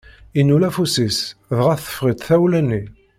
Innul afus-is, dɣa teffeɣ-itt tawla-nni.